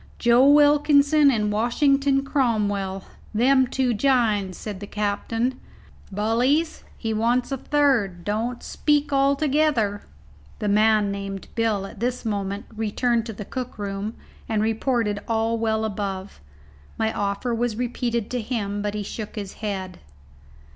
"Joe Wilkinson and Washington Cromwell them two jines," said the captain. "Bullies, he wants a third. Don't speak all together." The man named "Bill" at this moment returned to the cook room, and reported all well above. My offer was repeated to him, but he shook his head.